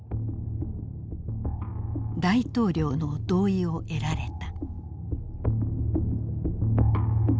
大統領の同意を得られた。